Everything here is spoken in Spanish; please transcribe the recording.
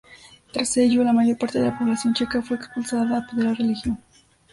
Tras ello, la mayor parte de la población checa fue expulsada de la región.